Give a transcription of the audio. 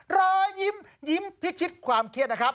รอยยิ้มยิ้มพิชิตความเครียดนะครับ